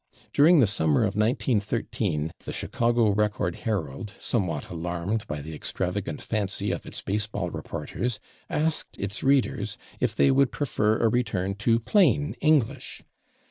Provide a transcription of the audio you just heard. During the summer of 1913 the /Chicago Record Herald/, somewhat alarmed by the extravagant fancy of its baseball reporters, asked its readers if they would prefer a return to plain English.